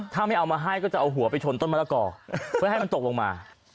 ถ้าไม่เอามาให้ก็จะเอาหัวไปชนต้นมะละกอเพื่อให้มันตกลงมา